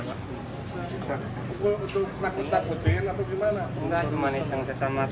enggak cuma niseng sama teman kerjaan